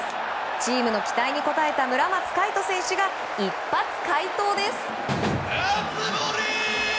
チームの期待に応えた村松開人選手が一発快投です。